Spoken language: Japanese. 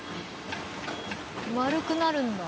丸くなるんだ。